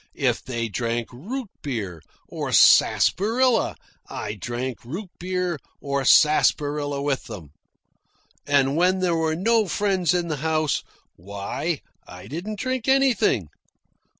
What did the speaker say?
If they drank root beer or sarsaparilla, I drank root beer or sarsaparilla with them. And when there were no friends in the house, why, I didn't drink anything.